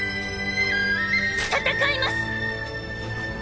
戦います！！